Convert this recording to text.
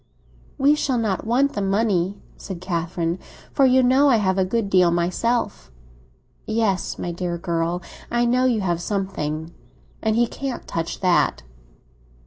"We shall not want the money," said Catherine; "for you know I have a good deal myself." "Yes, my dear girl, I know you have something. And he can't touch that!"